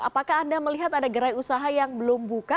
apakah anda melihat ada gerai usaha yang belum buka